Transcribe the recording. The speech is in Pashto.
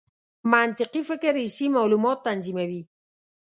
منطقي فکر حسي معلومات تنظیموي.